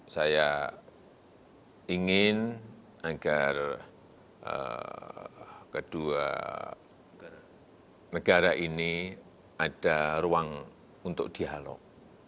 saya ingin agar kedua negara ini ada ruang untuk dialog